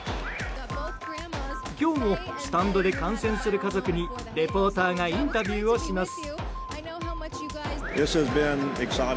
今日もスタンドで観戦する家族にリポーターがインタビューをします。